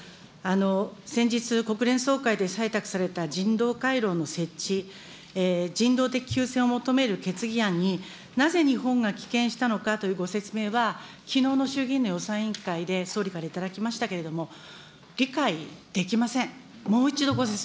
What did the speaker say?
先日、国連総会で採択された人道回廊の設置、人道的休戦を求める決議案に、なぜ日本が棄権したのかというご説明はきのうの衆議院の予算委員会で総理からいただきましたけれども、理解できません。